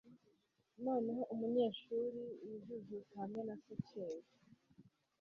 Noneho umunyeshuri wijujuta hamwe na satchel